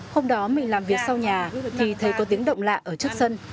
hôm đó mình làm việc sau nhà thì thấy có tiếng động lạ ở trước sân